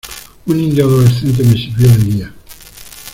un indio adolescente me sirvió de guía.